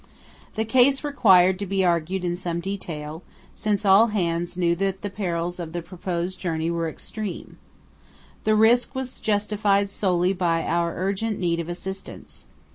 The case required to be argued in some detail, since all hands knew that the perils of the proposed journey were extreme. The risk was justified solely by our urgent need of assistance.